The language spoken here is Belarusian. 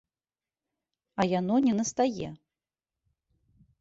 А яно не настае.